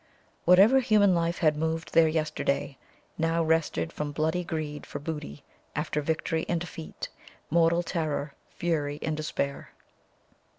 Whatever human life had moved there yesterday, now rested from bloody greed for booty, after victory and defeat, mortal terror, fury, and despair.